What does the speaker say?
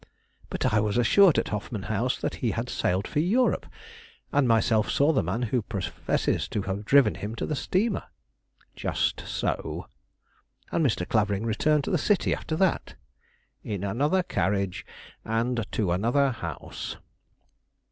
"But I was assured at the Hoffman House that he had sailed for Europe, and myself saw the man who professes to have driven him to the steamer." "Just so." "And Mr. Clavering returned to the city after that?" "In another carriage, and to another house."